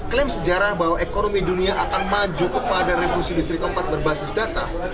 klaim sejarah bahwa ekonomi dunia akan maju kepada revolusi industri keempat berbasis data